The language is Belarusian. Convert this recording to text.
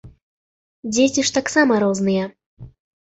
Дзеці ж таксама розныя.